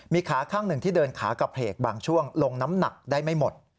มีขาข้างหนึ่งที่เดินขากระเพลกบางช่วงลงน้ำหนักได้ไม่หมด